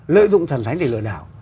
lợi dụng thần thánh để lừa đảo